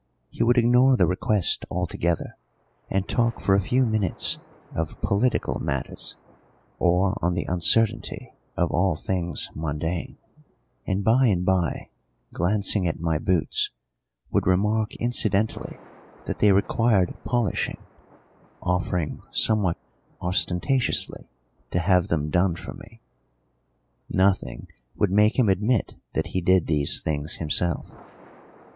He would ignore the request altogether, and talk for a few minutes of political matters, or on the uncertainty of all things mundane, and by and by, glancing at my boots, would remark incidentally that they required polishing, offering somewhat ostentatiously to have them done for me. Nothing would make him admit that he did these things himself.